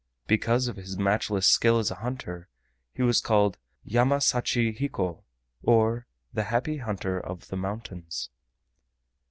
Because of his matchless skill as a hunter, he was called "Yama sachi hiko" or "The Happy Hunter of the Mountains."